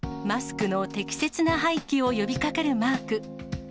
マスクの適切な廃棄を呼びかけるマーク。